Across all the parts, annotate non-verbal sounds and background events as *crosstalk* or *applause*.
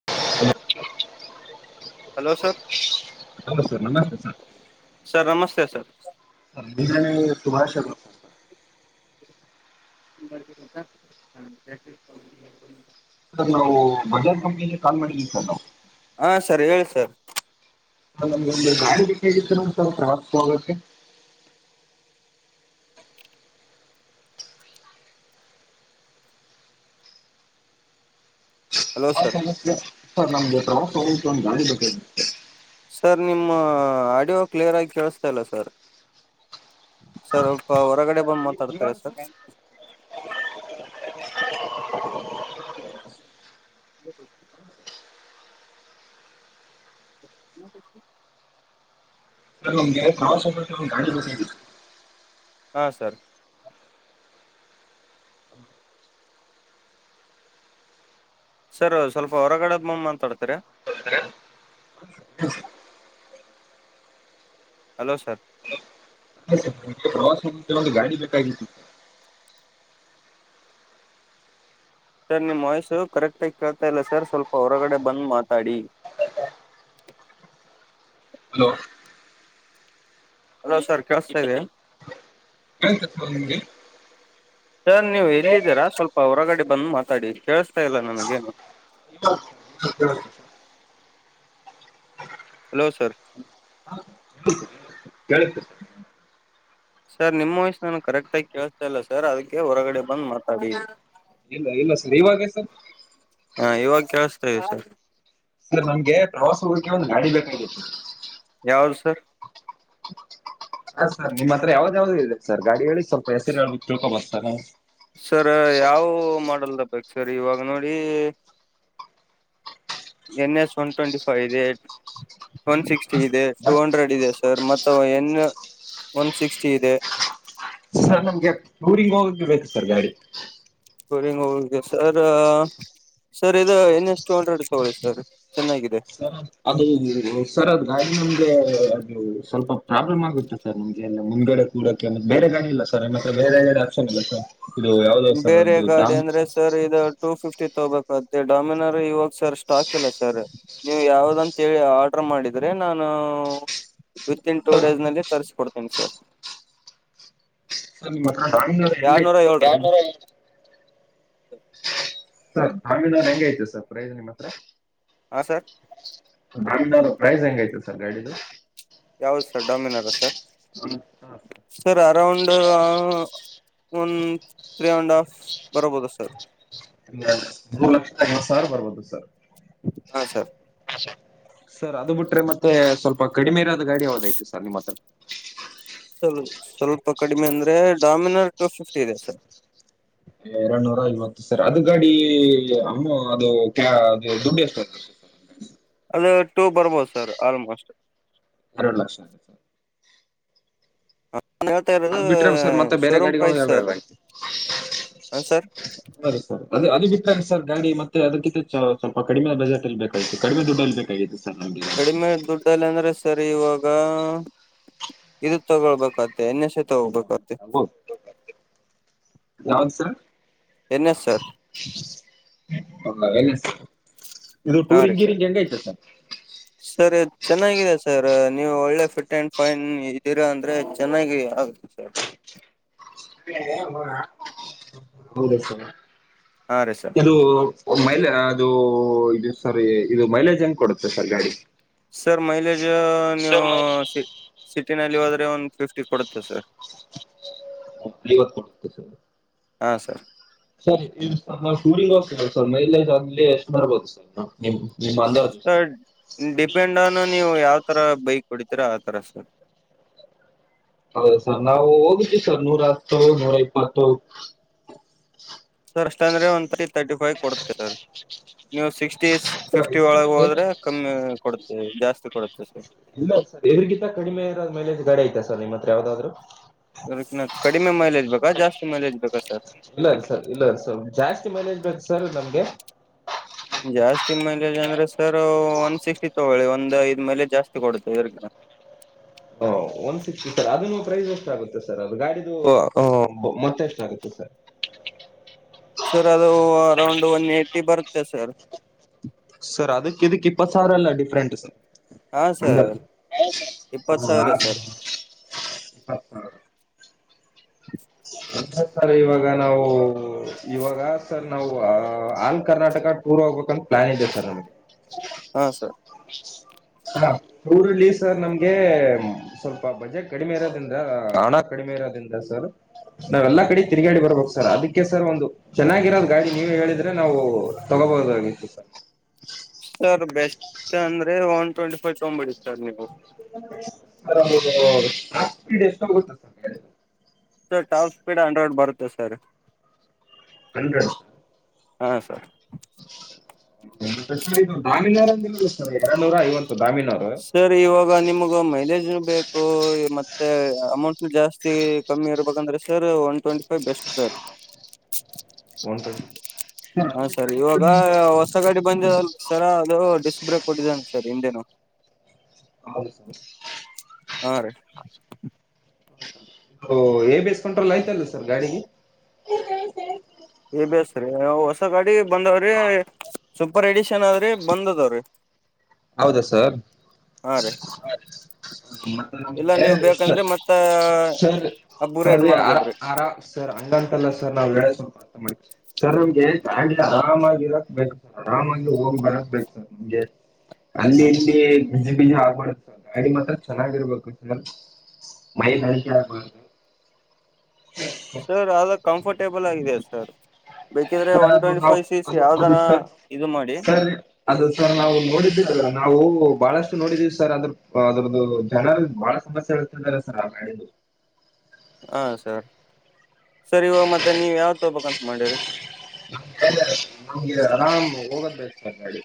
ಹ *unintelligible* hello sir ಹೌ sir ನಮಸ್ತೆ ಸರ್ ಸರ್ ನಮಸ್ತೆ ಸರ್ ನಿಗಾನ ಸುಭಾಷಗಳು ಹ *inaudible* ಸ ನಾವು ಬಜಾಜ್ ಕಂಪ್ನಿಯಲ್ಲಿ ಕಾಲ್ ಮಾಡಿದ್ದವಿ ಸರ್ ನಾವು ಹಾ ಸರ್ ಹೇಳಿ ಸರ್ ಗ ಹೇಗಿತ್ತು ನ ಸ್ವಲ್ಪಾ ಹೋಗಕೇ *unintelligible* ಹಲೋ ಹೋಗೋಕ್ಕೆ ಪ್ರವಾಸ ಹೋಗೋಕ್ಕೆ ಸರ್ ಸರ್ ನಮ್ಗೆ ಪ್ರವಾಸ ಹೋಗು ಒಂದು ಗಾಡಿ ಬೇಕೆ ಸರ್ ನಿಮ್ಮ ಆಡಿಯೋ ಕ್ಲಿಯರ್ ಆಗಿ ಕೇಳಿಸತಾ ಇಲ್ಲ ಸರ್ ಸರ್ಪ ಹೊರಗಡೆ ಸರ್ *unintelligible* ಈ- ಮಾತಾಡ್ತರ ಇವಾಗ ಸರ್ ಬ ನ ನಮ್ಗೆ ಹ ಗಾಂಡಿ ಬಸ ಹಾ ಸರ್ ಸರ್ ಸ್ವಲ್ಪ ಹೊರಗಡೆದ್ ಮಮ್ಮ್ ಮಾತಾಡ್ತರ ಹೌ ಹಲೋ ಸರ್ ಪ್ರವಾಸೋದ್ಯಮಗಾಡಿ ಬೇಕಾಗಿತ್ತು ಸರ್ ನಿಮ್ಮ ವಾಯ್ಸು ಕರೆಕ್ಟಾಗಿ ಕೇಳ್ತಾ ಇಲ್ಲ ಸರ್ ಸ್ವಲ್ಪ ಹೊರಗಡೆ ಬಂದು ಮಾತಾಡಿ ಹಲೋ ಹಲೋ ಸರ್ ಕೇಳಿಸತಾ ಇದೆ ಕೇಳಿಸ್ತಿಲ್ಲನಿಮಗೆ ಸರ್ ನೀವು ಎಲ್ಲಿದ್ದೀರಾ ಸ್ವಲ್ಪ ಹೊರಗಡೆ ಬಂದು ಮಾತಾಡಿ ಕೇಳಸ್ತಾ ಇಲ್ಲ ನನಗೇನು ಹ ಹಲೋ ಸರ್ ಕೇಳತ್ತು ಸರ್ ನಿಮ್ಮ ವಯಸ್ಸ ನಾನು ಕರೆಕ್ಟಾಗಿ ಕೇಳಸ್ತಾ ಇಲ್ಲ ಸರ್ ಅದಕ್ಕೆ ಹೊರಗಡೆ ಬಂದು ಮಾತಾಡಿ ಇಲ್ಲ ಇಲ್ಲ ಸರ್ ಇವಾಗ ಸರ್ ಹಾ ಇವಾಗ ಕೇಳಸ್ತಾ ಇದೆ ಸರ್ ಸರ್ ನಮ್ಗೆ ಪ್ರವಾಸ ಹೋೋಗಿಕೆ ಒಂದು್ ಗಾಡಿ ಬೇಕಾಗಿತ್ತು ಯಾರ ಸರ್ ಹ ಸರ್ ನಿಮ್ಮ ಹತ್ರ ಯಾವ್ದ್ ಯಾವ್ದು ಇದೆ ಸರ್ ಗಾಡಿ ಹೇಳಿ ಸ್ವಲ್ಪ ಹೆಸರು ತಿಳ್ಕೊ *inaudible* ಸರ್ ಯಾವ ಮಾಡ ಸರ್ ಇವಾಗ ನೋಡಿ N S one twenty five ಇದೆ ಒನ್ ಸಿಕ್ಸ್ಟಿ ಹಾಂ ಇದೆ ಟೂ ಸರ್ ಹಂಡ್ರೆಡ್ ಇದೆ ಸರ್ ಮ ಎನ್ ಒನ್ ಸಿಕ್ಸ್ಟಿ ಇದೆ ಸರ್ ನಮ್ಗೆ ಟಊರಿಂಗ ಹೋಗಕ್ಕೆ ಬೇಕು ಸರ್ ಗಾಡಿ ಸರಿಂಗ ಹೋಗಗೆ ಸರ್ ಸರ್ ಇ ಇನ್ನಷ್ಟು ಅಂಡ್ರೆಡ್ ತಗೊಳ್ಳಿ ಸರ್ ಚೆನ್ನಾಗಿದೆ ಸರ್ ಅದು ಸರ್ ಅದ್ ಗಾಡಿ ನಮ್ಗೆ ಅದು ಸ್ವಲ್ಪ ಪ್ರಾಬ್ಲಮ್ ಆಗುತ್ತೆ ಸರ್ ನಮ್ಗೆ ಎಲ್ಲ ಮುಂದ್ಗಡೆ ಕೂಡಕೆ ಅಂದ ಬೇರೆ ಗಾಡಿ ಇಲ್ಲ ಸರ್ ತ್ರ ಬೇರೆ ಗಡೆ ಆಸರ್ ಇಲ್ಲ ಸರ್ ಇದು ಯಾವ್ದು ಸರ್ ಬೇರೆ ಅದು ಗಾಡಿ ಡಾಮ್ ಅಂದ್ರೆ ಸರ್ ಇ ಟು ಫಿಫ್ಟಿ ೋಗಬೇಕತ್ತೆ ಡಾಮಿನರ ಇವಾಗ ಸರ್ ಸ್ಟಾಕ್ ಎಲ್ಲ ಸರ್ ನೀವು ಯಾವ್ದಂತೇಳಿ ಆರ್ಡರ್ ಮಾಡಿದರೆ ನಾನು ವಿತ್ ಇನ್ ಟೂ ಸರ್ ಡೇಸ್ನಲ್ಲಿ ತರ್ರಿಸಿಕೊಡ್ತೀನಿ ಸರ್ ಹನ್ಮ ಹಾಮೂ ಹೆಂಗತ ಎರಡ್ನೂರ ಸ ಯ ಏಳ್ರಿ ಸರ್ ಾಮಿನಾರ್ ಹೆಂಗ ಐತೆ ಸರ್ ಪ್ರಯಜ ನಿಮ್ಮ ಹತ್ರ ಹಾಂ ಸರ್ ಾಮ ಪ್ರೈಸ್ ಹೆಂಗೈತೆ ಸರ್ ಗಾಡಿಿಗೆ ಯಾವ್ದ್ ಸರ್ ಡಾಮಿನಲ್ಲ ಸರ್ ಸರ್ ಅರಾಂಡ್ ಒಂದು ತ್ರೀ ಅಂಡ್ ಹಾಫ್ ಬರಬಹದ ಸರ್ ಮೂರು ಲಕ್ಷ ತವತ್ತು ಸಾವಿರ ಬರ್ಬೋದು ಸರ್ ಹಾ ಸರ್ ಸರ್ ಅದು ಬಿಟ್ರೆ ಮತ್ತೆ ಸ್ವಲ್ಪ ಕಡಿಮೆ ಇರಾದ ಗಾಡಿ ಯಾವ್ದಐತಿ ಸರ್ ನಿಮ್ಮ ಹತ್ರ ಸಲ್ ಸ್ವಲ್ಪ ಕಡಿಮೆ ಅಂದ್ರೆ ಡಾಮಿನೋ ಟು ಫಿಫ್ಟಿ ಇದೆ ಸರ್ ಎರಡ್ನೂರ ಐವತ್ತು ಸರ್ ಅದು ಗಾಡಿ ಅಮ್ಮ ಅದು ಕ ಅದು ದುಡ್ಡು ಎಷ್ಟು ಅದು ಟೂ ಬರ್ಬೋದು ಸರ್ ಆಲ್ಮೋಸ್ಟ್ ಅರಳ ಲಕ್ಷರ್ ಹಾ ನನ್ ಹೇಳ್ತಾ ಇರೋದು ಅದ್ ಬಿಟ್ರೆ ಸರ್ ಮತ್ತೆ ಬೇರೆ ಶೋರೂಮ್ ಗಾಡಿಗಳು ಪ್ರೈಸ್ ಸರ್ ಯಾವ್ಯಾವ ಐತಿ ಹ ಸರ್ ಅದ ಅದದು ಬಿಟ್ಟಾಗೆ ಸರ್ ಗಾಡಿ ಮತ್ತೆ ಅದಕ್ಕಿಂತ ಸ್ವಲ್ಪ ಕಡಿಮೆ ಬಜೆಟ್ ಅಲ್ಲಿ ಬೇಕಾಗಿತ್ತು ಕಡಿಮೆ ದುಡ್ಡಲ್ಲಿ ಬೇಕಾಗಿತ್ತು ಸರ್ ನಮಗೆ ಕಡಿಮೆ ದುಡ್ಡಲ್ಲ ಅಂದ್ರೆ ಸರಿ ಇವಾಗ ಇದು ತಗೊಳ್ಬೇಕಾದ ನ ಶತ ಉಬತ ಯಾವ್ದ ಸರ್ ಎನ್ನ ಸರ್ ಹಂದಾವಲ್ಲ ಇದು ಹಾ ಟೂರ್ ರೀ ಹಿಂಗೀರಿ ಸರ್ ಹಿಂಗಗೆ ಹೆಂಗ ಐತೆ ಸರ್ ಸರ್ ಇದು ಚೆನ್ನಾಗಿದೆ ಸರ್ ನೀವು ಒಳ್ಳೆ ಫಿಟ್ ಅಂಡ್ ಫೈನ್ ಇದೀರಾ ಅಂದ್ರೆ ಚೆನ್ನಾಗಿ ಆಗುತ್ತೆ ಸರ್ ಹೌದ ಹಾ ರೀ ಸರ್ ಕೆದು ಮೈಲ ಅದು ಇದು ಸರ್ ಇದು ಮೈಲೇಜ್ ಹೆಂಗ ಕೊಡುತ್ತೆ ಸರ್ ಗಾಡಿ ಸರ್ ಮಹಿಲೇಶ್ ನೀವು ಸಿಟಿನಲ್ಲಿ ಹೋದ್ರೆ ಒಂದು ಫಿಫ್ಟಿ ಕೊಡುತ್ತೆ ಸರ್ ವತ್ತು ಕೊಟ್ಟ ಸ ಹಾ ಸರ್ ಸರಿ ಶೂಡಿಂಗ್ ಹೋಗ್ತ ಸರ್ ಮೈಲೈ್ ಅಲ್ಲಿ ಎಷ್ಟು ಬರ್ಬೋದು ಸರ್ ನಾವು ನಿಮ್ ನಿಮ್ಮ ಅಂದಾಜು ಸ ಸರ್ ಡಿಪೆಂಡ್ ಆನ್ ನೀವು ಯಾವ್ದ ಆ ತರ ಬೈಕ್ ಹೊಡಿತೀರ ಆ ತರಸ ಹೌದು ಸರ್ ನಾವು ಹೋಗಿದವಿ ಸರ್ ನೂರ ಹತ್ತು ನೂರ ಇಪ್ಪತ್ತು ಸರ್ ಸ್ಟಂಡ ಒ ತರ್ಟಿ ಫೈವ್ ಕೊಡುತ್ತೆ ಸರ್ ನೀವು ಸಿ ಸರ್ ಫಿಫ್ಟಿ ಇದ್ರಕ್ಕಿಂತ ಒಳಗೆ ಹೋದ್ರೆ ಕಮ್ಮಿ ಕೊಡ್ತವಿ ಜಾಸ್ತಿ *inaudible* ಇಲ್ಲ ಸರ್ ಎದುರಿಗಿಂತ ಕಡಿಮೆ ಇರ ಮೇಲೆ ಗಾಡೆ ಆಐತಾ ಸರ್ ನಿಮ್ಮ ಹತ್ರ ಯಾವ್ದಾದ್ರು ಅದಕ್ಕಿನ್ನ ಕಡಿಮೆ ಮೈಲೇಜ್ ಬೇಕಾ ಜಾಸ್ತಿ ಮೈಲೇಜ್ ಬೇಕಾ ಸರ್ ಇಲ್ಲ ಸರ್ ಇಲ್ಲ ಸರ್ ಜಾಸ್ತಿ ಮನೇಜ್ ಬೇಕು ಸರ್ ನಮ್ಗೆ ಜಾಸ್ತಿ ಮೈಲೇಜ್ ಅಂದ್ರೆ ಸರ್ ಒನ್ ಸಿಕ್ಸ್ಟಿ ತಗೊಳ್ಳಿ ಒಂದ್ ಐದು್ ಮೈಲೇಜ್ ಜಾಸ್ತಿ ಕೊಡುತ್ತೆ ಇದ್ರಗ ಒನ್ ಸಿಕ್ಟಿ ಸರ್ ಅದನ್ನು ಪ್ರೈಸ್ ಎಷ್ಟಾಗುತ್ತೆ ಸರ್ ಅದು ಗಾಡಿದು ಮತ್ತೆಷ್ಟ ಆಗುತ್ತೆ ಸರ್ ಸರ್ ಅದು ಅರೌಂಡ್ ಒನ್ ಏ್ಟಿ ಬರು ಸರ್ ಸರ್ ಅದಕ್ಕೆ ಇದಕ್ ಇಪ್ಪತ್ ಸಾವಿರ ಅಲ್ಲ ಡಿಫ್ರೆಂಟ್ ಸರ್ ಹಾ ಅಂದ ಸರ್ ಇಪ್ಪತ್ ಹ ಸಾವಿರ ಸರ್ *inaudible* ಅ ಸರ್ ಇವಾಗ ನಾವು ಇವಾಗ ಸರ್ ನಾವು ಆಲ್ ಕರ್ನಾಟಕ ಟೂರ್ ಹೋಗ್ಬೇಕಂತ ಪ್ಲಾನ್ ಇದೆ ಸರ್ ನಮ್ಗೆ ಹಾ ಸರ್ ಹಾ ಊರಲ್ಲಿ ಸರ್ ನಮ್ಗೆ ಸ್ವಲ್ಪ ಬಜೆಟ್ ಕಡಿಮೆ ಇರೋದ್ರಿಂದ ಹಣ ಕಡಿಮೆ ಇರೋದ್ರಿಂದ ಸರ್ ನಾವೆಲ್ಲಾ ಕಡೆ ತಿರುಗಾಡಿ ಬರ್ಬೇಕ ಸರ್ ಅದಕ್ಕೆ ಸರ್ ಒಂದು ಚೆನ್ನಾಗಿರೋದ ಗಾಡಿ ನೀವೇ ಹೇಳಿದ್ರೆ ನಾವು ತಗೋಬಹದಾಗಿತ್ತು ಸರ್ ಸರ್ ಬೆಸ್ಟ್ ಅಂದ್ರೆ ಒನ್ ಟ್ವೆಂಟಿ ಫೈರ್ ತಗಬಿಡಿ ಸರ್ ನೀವು ಸ ಒ ಸ್ಪೀಡ್ ಎಷ್ಟೋಗುತ್ತೆ sir sir top speed hundred ಬರುತ್ತೆ ಸರ್ ಹನ್ ಹಾ ಸರ್ ಶ್ಮಾಮೀ ೂ ಐ ಸರ್ ಇವಾಗ ನಿಮ್ಗ ಮೈಲೇಜ್ ಬೇಕು ಮತ್ತೆ ಅಮೌಂಟ್ ಜಾಸ್ತಿ ಕಮ್ಮಿ ಇರ್ಬೇಕಂದ್ರೆ sir one twenty five best sir one twenty ಹಾ ಸರ್ ಇವಾಗ ಹೊಸ ಗಾಡಿ ಬಂದಿದಲ್ಲ ಸರ ಅದು ಡಿಸ್ಕ್ ಬ್ರೇಕ್ ಕೊಟ್ಟಿದ್ದನೆ ರಿ ಇಿಂದೇನು ಹೌೌ ಹಾ ರೀ ಏ ಬೇಸ್ಕಂ್ರಲ್ಲ ಆಯ್ತಲ್ ಸರ್ ಗಾಡಿಗೆ ಎ ಬಿ ಎಸ್ ಹೊಸ ಗಾಡಿ ಬಂದವ್ರೆ ಸೂಪರ್ ಎಡಿ ಆದ್ರೆ ಬಂದದವ್ರೀ ಹೌದಾ ಸರ್ ಹಾ ರೀ ಇಲ್ಲ ನೀವ್ ಬೇಕಂದ್ರೆ ಮತ್ತ ಅಪ್ಗ್ರೇಡ್ ಸರ್ ಮಾಡ್ಬೋದ್ರಿ ಆರ ಸರ್ ಅಂಗಟಲ್ಲ ಸರ್ ನಾವ್ ಹೇಳೆ ಸ್ವಲ್ಪ ಅರ್ಥ ಮಾಡವಿ ಸರ್ ಅವಮ್ಗೆ ಫ್ಯಾಮ್ಲಿ ಆರಾಮಾಗಿರಕ್ ಬು ಸರ್ ಆರಾಮಾಗಿ ಹೋಗಿ ಬರಕ್ ಬೇಕು ಸರ್ ನಮ್ಗೆ ಅಲ್ಲಿ ಇಲ್ಲಿ ಬಿಜಿ ಬಿಜಿ ಆಗ್ಬಾರಡುದು ಸರ್ ಅಡಿ ಮಾತ್ರ ಚೆನ್ನಾಗಿರ್ಬೇಕು ಸರ್ ಮೈ ಅಡಿಕೆ ಆಗ್ಬಾರದು ಸರ್ ಅ ಕಂಫರ್ಟ್ ಟೇಬಲ್ ಆಗ ಸರ್ ಬೇಕಿದ್ರೆ ಸರ್ ಒನ್ ಅದು ಟ್ವೆಂಟಿ ನಾವು ಫೈವ್ ಸಿ ಸಿ ಅದು ಯಾವ್ದಾರ ಅದು ಸರ್ ಇದು ಮಾಡಿ ಸರಿ ಅದು ಸರ್ ನಾವು ನೋಡಿದ್ದೀರಲ್ಲ ನಾವು ಬಹಳಷ್ಟು ನೋಡಿದೀವಿ ಸರ್ ಅದ್ರ ಅದ್ರದ್ದು ಜನರು ಬಾಳ ಸಮಸ್ಯೆ ಇಳ್ತಿದ್ದಾರೆ ಸರ್ ಆ ಬೆಳೆದು ಹ ಸರ್ ಸರಿ ಹ ಮತ್ತೆ ನೀವ್ ಯಾವ ತಗಬೇಕಂತ ಮಾಡ್ಯರಿ ನಮಗೆಿದ ಆರಾಮ್ ಹೋಗೋದಬೇಕ ನಡಿ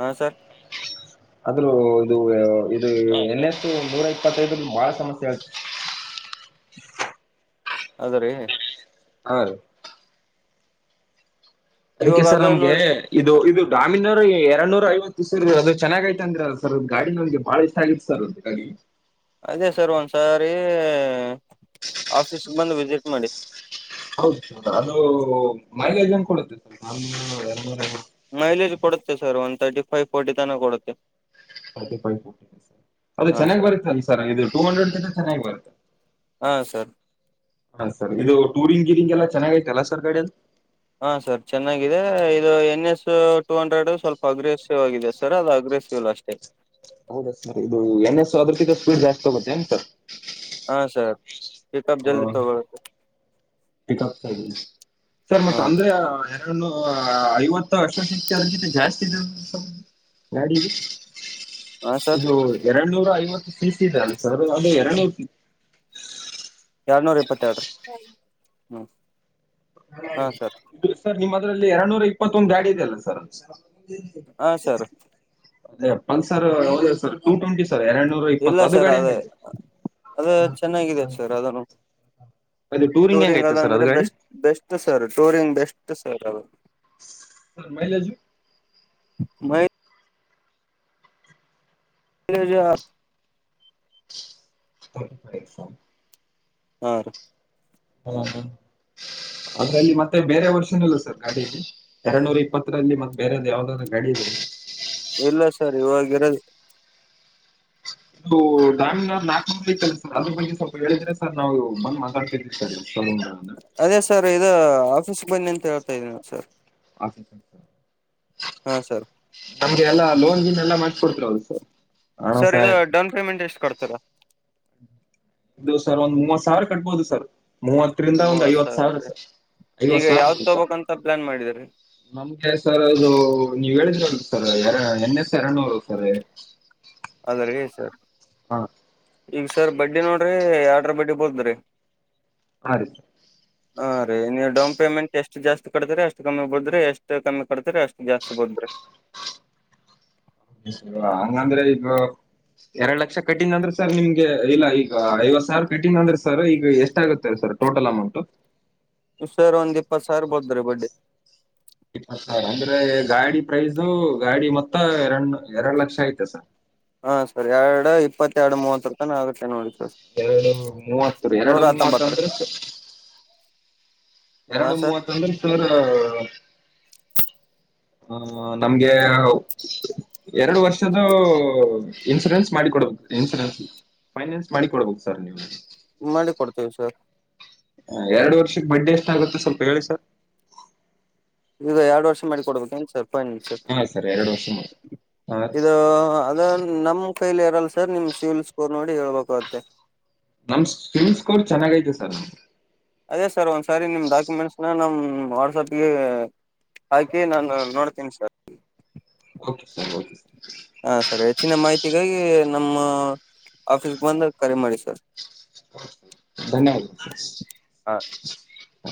ಹಾ ಸರ್ ಆದ್ರೂ ಇದು ಇದು ಎನ್ನೆತ್ತುು ನೂರ ಇಪ್ಪತ್ತೈದ್ರ ಬಹಳ ಸಮಸ್ಯೆ ಆಳ್ತ ಅದ್ರ ಹ ಅದಕ್ಕೆ ಇವಾಗ ಸರ್ ಅದು ನಮ್ಗೆ ನೋಡಿ ಇದು ಇದು ಗಾಮೀಿನವರು ಎರಡ್ ನೂರ ಐವತ್ತು ಸರ್ ಅದು ಚೆನ್ನಾಗ ಐತ ಅಂದ್ರರಲ್ಲ ಸರ್ ಗಾಡಿ ನಮಗೆ ಬಾಳ ಇಷ್ಟ ಆಗಿತ್ತು ಸರ್ ಗಾಡಿ ಅದೇ ಸರ್ ಒಂದ್ಸಾರಿ ಆಫೀಸ್ಗೆ ಬಂದು ವಿಸಿಟ್ ಮಾಡಿ ಹೌದೌ ಅದು ಮೈನ್ ಕೊಡುತ್ತೆ ಸ್ವಲ್ಪ ನೂ ಎ ಮೈಲೇಜ್ ಕೊಡುತ್ತೆ sir one thirty five forty ತನಕ ಕೊಡುತ್ತೆ ಹ್ಮ್ಮ್. ಹಾ ಸರ್ ಹಾ ಸರ್ ಈಿಂಗೆಲ್ಲ ಚೆನ್ನಾಗ ಐತೆಲ್ಲ ಸರ್ ಗಡಿಯದು ಹಾ ಸರ್ ಚೆನ್ನಾಗಿದೆ ಇದು ಎನ್ ಎಸ್ ಟೂ ಅಂಡ್ರೆಡ್ ಸ್ವಲ್ಪ ಅಗ್ರೆಸಿವ್ ಆಗಿದೆ ಸರ್ ಅದು ಅಗ್ರೆಸಿವ್ಲ್ ಅಷ್ಟೇ ಹೌದ ಇದು ಎನ್ ಎಸ್ ಅದ್ರಕ್ಕ ಸ್ಪೀಡ್ ಜಾಸ್ತಿ ಆೋಗುತ್ತೆ ಏನ್ಸ ಹಾ ಸರ್ ಪಿಕಪ್ ಹಾ ಜಲ್ದಿ ತಗೊಳುತ್ತೆ ಪ ಸರ್ ಮತ್ತ ಹಾ ಅಂದ್ರೆ ಐವತ್ತು ಅರ್ಷವ ಸಿಕ್ತ ಅದ ಜತೆ ಜಾಸ್ತಿ ಇದ ಗಾಡಿಗೆ ಹಾ ಸರ್ ಇದು ಎರಡ್ ನೂರ ಐವತ್ತು ಸಿಸಲ್ಲ ಸರ್ ಅದು ಎರಡು ಎರಡ್ನೂರ ಇಪ್ಪತ್ತೆರಡುರ ಹ್ಮ್ ಹ ಹಾ ಸರ್ ಇದು ನಿಮ್ ಅದ್ರಲ್ಲಿ ಎರಡ್ ನೂರ ಇಪ್ಪತ್ತೊಂದು ಗಾಡಿ ಇದದೆೆಯಲ್ಲ ಸರ್ ಹ್ಮ ಹಾ ಸರ್ ಅದೇ ಪಸರ್ ಯಾವ ಸರ್ ಟು ಟ್ವೆಂಟಿ ಸರ್ ಎರಡ್ ನೂರ ಇಲ್ಲ ಇಪ್ಪತ್ತು ಅದು ಸರ್ ಗಾಡಿ ಅದೇ ಹೆಂಗೈತೆ ಅದೇ ಚೆನ್ನಾಗಿದೆ ಸರ್ ಅದನ್ನು ಅದು ಟೂರಿಂಗ್ ಹೆಂಗೈತೆ ಅಲ್ಲ ಸರ್ ಅಂದ್ರೆ ಅದು ಗಾಡಿ ಬೆಸ್ಟ್ ಬೆಸ್ಟ್ ಸರ್ ಟೂರಿ ಬೆಸ್ಟ್ ಸರ್ ಅದು ಸ ಮೈಲೈಜು ಮೈ ಹಜ ರ್ಟಿಫ ಎಕ್ಸಾಮ ಹ ಹ್ಮ ಹ್ಮ ಅದ್ರಲ್ಲಿ ಮತ್ತೆ ಬೇರೆ ವರ್ಷನಲ್ಲ ಸರ್ ಗಾಡಿ ಇಲ್ಲಿ ಎರನೂರ ಇಪ್ಪತ್ತರಲ್ಲಿ ಮತ್ತ ಬೇರೆದ ಯಾವ್ದಾದ್ ಗಾಡಿ ಇದೆ ಇಲ್ಲಾ ಸರ್ ರ ಇದು ದಾಮ ನಾಲ್ಕು ಇ ಸರ್ ಅದ್ರ ಬಗ್ಗೆ ಸ್ವಲ್ಪ ಹೇಳಿದ್ರೆ ಸರ್ ನಾವು ಮಂದ ಮಾತಾಡ್ತರ್ತ ಅದೇ ಸರ್ ಇದು ಆಫೀಸ್ ಬನ್ನಿ ಅಂತ ಹೇಳ್ತಾ ಇದೀನಿ ನ ಸರ್ ಹಾ ಸರ್ ನಮಗೆಲ್ಲ ಲೋನ್ನ್ ಎಲ್ಲಾ ಮಾಡ ಕೊಡ್ತಿರದು ಸರ್ ಹಾ ಸರ ಕೊಡ್ತಾರೆ ಇದು ಸರ್ ಒಂದ್ ಮೂವತ್ ಸಾವಿರ ಕಟ್ಬೋದು ಸರ್ ಮೂವತ್ತರಿಂದ ಒಂದು ಮೂವತ್ ಐವತ್ತು ಸಾವಿರ ಸ ರೀ. ಐವತ್ ಈಗ ಸಾವಿರ ಯಾವ್ದ್ ಉಂ ಸ ತಗೋಬೇಕಂತ ಪ್ಲಾನ್ ಮಾಡಿದ್ರಿ ನಮ್ಗೆ ಸರ್ ಅದು ನೀವ್ ಹೇಳಿದ್ರ ಸ ಎರ ಎನ್ ಎಸ್ ಎರನೂರು ಸರ್ ಅದರ ಸರ್ ಹಾ ಈಗ ಸರ್ ಬಡ್ಡಿ ನೋಡ್ರಿ ಆರ್ಡ್ರ ಬಡ್ಡಿ ಬೋದ್ರಿ ಹ ಹಾ ರೀ ನೀವು ಡೌನ್ ಪೇಮೆಂ ಎಷ್ಟ ಜಾಸ್ತಿ ಕಡತ್ರರಿ ಅಷ್ಟು ಕಮ್ಮಿಗ್ ಬಿಡದ್ರಿ ಎಷ್ಟು ಕಮ್ಮಿ ಬರ್ತರ ಅಷ್ಟು ಜಾಸ್ತಿ ಬಂದ್ರೆ ಹಂಗಂದ್ರೆ ಈಗ ಎರಡ್ ಲಕ್ಷ ಕಟ್ಟನ್ ಅಂದ್ರೆ ಸರ್ ನಿಮ್ಗೆ ಇಲ್ಲ ಈಗ ಐವತ್ ಸಾವಿರ ಕಟ್ಟನ್ ಅಂದ್ರೆ ಸರ್ ಈಗ ಎಷ್ಟಾಗುತ್ತೆ ಸರ್ ಟೋಟಲ್ ಅಮೌಂಟ್ ಸರ್ ಒಂದ್ ಇಪ್ಪತ್ ಸಾರ್ ಬೋದ್ರೀ ಬಡ್ಡಿ ಇ ಸರ್ ಅಂದ್ರೆ ಗಾಡಿ ಪ್ರೈಸು ಗಾಡಿ ಮೊತ್ತ ಎರಡ್ ಎರಡ್ ಲಕ್ಷ ಐತೆ ಸರ್ ಹಾ ಸರಿ ಎರಡ ಇ ಇಪ್ಪತ್ತ ಎರ ಮೂವ ಆ ನೋತ ಎರಡು ಮೂವತ್ತು ಎರಡು ಮೂವತ್ ಹತ್ತೊಂಬತ್ತರ ಅಂದ್ರೆ ಸರ್ ಹಾ ಎರಡು ಸರ್ ಮೂವತ್ತ ಅಂದ್ರೆ ಸರ ಹ ನಮ್ಗೆ ಎರಡು ವರ್ಷ್ದ ಇನ್ಶೂರೆನ್ಸ್ ಮಾಡಿಿಕೊಡ್ಬೇಕು ಇನ್ಶುರೆನ್ಸ್ ಫೈನಾನ್ಸ್ ಮಾಡಿ ಕೊಡ್ಬೇಕ ಸರ್ ನೀವು್ ಮಾಡಿ ಕೊಡ್ತೇವಿ ಸರ್ ಎರಡು ವರ್ಷಕ್ ಬಡ್ಡಿ ಎಷ್ಟ ಆಗುತ್ತೆ ಸ್ವಲ್ಪ ಹೇಳಿಸರ್ ಈಗ ಎರಡು ವರ್ಷ ಮಾಡಿ ಕೊಡ್ಬೇಕುನ್ಸರ್ ಹ್ಮ್ ಹಾ ಸರ್ ಎರಡು ವರ್ಷ ಮಾಡಿ ಇದು ಅದು ನಮ್ ಕೈಲ್ ಇರಲ್ಲ ಸರ್ ನಿಮ್ ಸಿವಿಲ್ ಸ್ಕೋರ್ ನೋಡಿ ಹೇಳ್ಬೇಕುತ್ತೆ ನಮ್ ಸ್ಮ್ ಸ್ಕೋರ್ ಚೆನ್ನಾಗ ತೆ ಸರ್ ಅದೇ ಸರ್ ಒಂದ್ಸಾರಿ ನಿಮ್ ಡಾಕ್ಯುಮೆಂಟ್ಸ್ ನ ನಮ್ ಹ್ಮ ವಾಟ್ಸಪ್ಗೆ ಹಾಕಿ ನಾನ ನೋಡ್ತೀನಿ sir okay sir okay sir ಹಾ ಸರ್ ಹೆಚ್ಚಿನ ಮಾಹಿತಿಗಾಗಿ ನಮ್ಮ ಆಫೀಸ್ಗೆ ಬಂದ ಕರೆ ಮಾಡಿ ಸರ್ ಹಾ ಧನ್ಯವಾದ